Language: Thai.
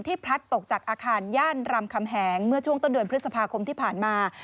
พลัดตกจากอาคารย่านรำคำแหงเมื่อช่วงต้นเดือนพฤษภาคมที่ผ่านมา